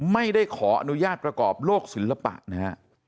ไม่ได้ขออนุญาตประกอบโลกศิลปะนะฮะ